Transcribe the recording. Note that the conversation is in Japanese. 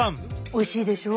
おいしいでしょ？